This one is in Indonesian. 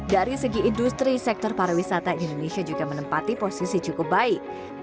dari segi industri sektor pariwisata indonesia juga menempati posisi cukup baik